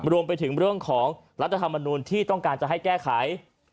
รวมไปถึงเรื่องของรัฐธรรมนูลที่ต้องการจะให้แก้ไข